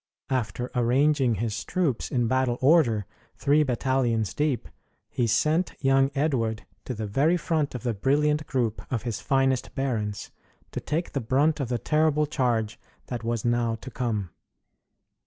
After arranging his troops in battle order, three battalions deep, he sent young Edward to the very front of the brilliant group of his finest barons to take the brunt of the terrible charge that was now to come!